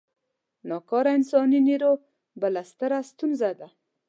نا کاره انساني نیرو بله ستره ستونزه ده.